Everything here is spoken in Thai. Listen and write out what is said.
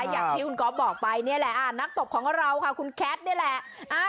อย่างที่คุณก๊อฟบอกไปนี่แหละนักตบของเราค่ะคุณแคทนี่แหละ